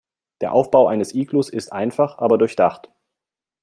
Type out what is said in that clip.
Der Aufbau eines Iglus ist einfach, aber durchdacht.